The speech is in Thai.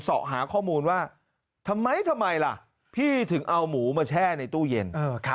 สอบหาข้อมูลว่าทำไมทำไมล่ะพี่ถึงเอาหมูมาแช่ในตู้เย็น